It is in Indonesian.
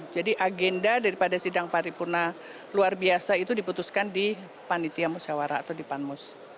jadi agenda daripada sidang paripurna luar biasa itu diputuskan di panitia musyawara atau di panmus